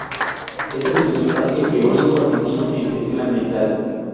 Es el primer parque eólico argentino en Gestión Ambiental.